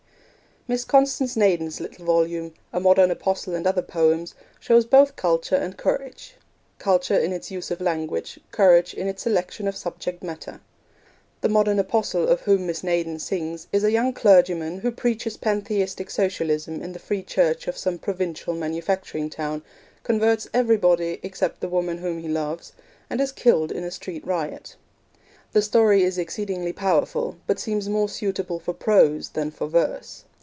Miss Constance Naden's little volume, A Modern Apostle and Other Poems, shows both culture and courage culture in its use of language, courage in its selection of subject matter. The modern apostle of whom Miss Naden sings is a young clergyman who preaches Pantheistic Socialism in the Free Church of some provincial manufacturing town, converts everybody, except the woman whom he loves, and is killed in a street riot. The story is exceedingly powerful, but seems more suitable for prose than for verse.